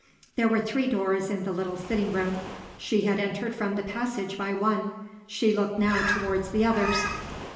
There were three doors in the little sitting room. She had entered from the passage by one. She looked now towards the others.